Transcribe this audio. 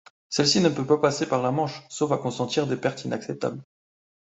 Celle-ci ne peut passer par la Manche, sauf à consentir des pertes inacceptables.